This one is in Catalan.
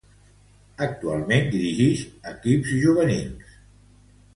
Actualment dirigix equips juvenils.